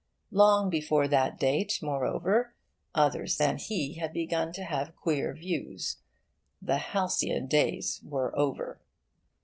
Long before that date, moreover, others than he had begun to have queer views. The halcyon days were over.